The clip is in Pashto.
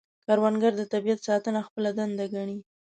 کروندګر د طبیعت ساتنه خپله دنده ګڼي